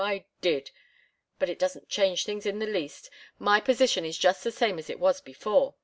I did! But it doesn't change things in the least. My position is just the same as it was before.